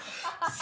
さ！